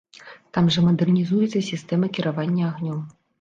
Там жа мадэрнізуецца сістэма кіравання агнём.